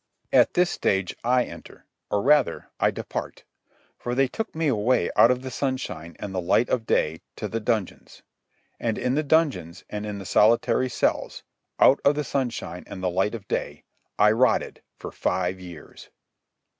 At this stage I enter or, rather, I depart, for they took me away out of the sunshine and the light of day to the dungeons, and in the dungeons and in the solitary cells, out of the sunshine and the light of day, I rotted for five years.